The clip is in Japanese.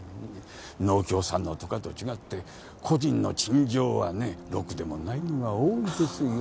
農協さんのとかと違って個人の陳情はねろくでもないのが多いですよ。